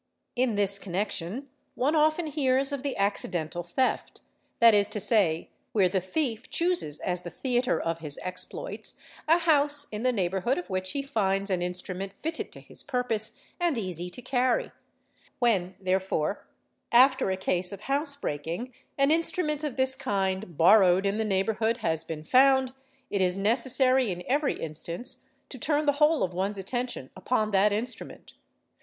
In this connection one often hears of the "accidental theft", that is to say, where the thief chooses as the theatre of his exploits a house, in th 2 neighbourhood of which he finds an instrument fitted to his purpose and easy to carry; when therefore after a case of housebreaking an instru ment of this kind borrowed in the neighbourhood has been found, it is necessary in every instance to turn the whole of one's attention upon that ; instrument.